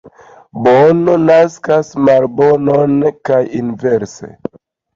Bono naskas malbonon, kaj inverse.